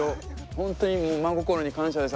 本当に真心に感謝です！